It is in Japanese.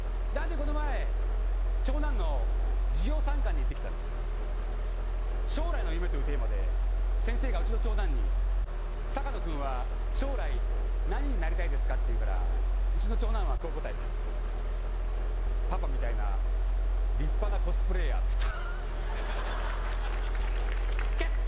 この前長男の授業参観に行ってきたんだ将来の夢というテーマで先生がうちの長男に坂野君は将来何になりたいですかって言うからうちの長男はこう答えた「パパみたいな立派なコスプレーヤー」ってターゲッツ！